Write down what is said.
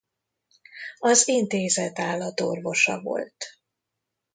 Az intézet állatorvosa volt.